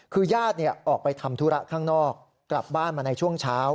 คือญาติออกไปทำธุระข้างนอกกลับบ้านมาในช่วงเช้า